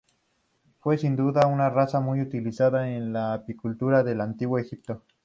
Fue sin duda una raza muy utilizada en la apicultura del antiguo Egipto.